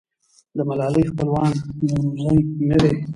د ملالۍ خپلوان نورزي نه دي.